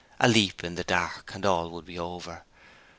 A leap in the dark, and all would be over.